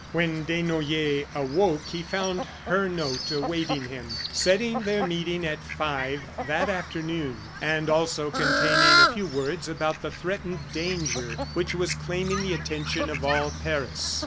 When Desnoyers awoke he found her note awaiting him, setting their meeting at five that afternoon and also containing a few words about the threatened danger which was claiming the attention of all Paris.